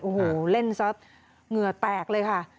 โอ้โหเล่นซะเหงื่อแตกเลยค่ะ